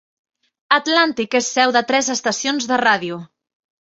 Atlantic és seu de tres estacions de ràdio.